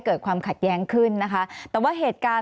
มีประวัติศาสตร์ที่สุดในประวัติศาสตร์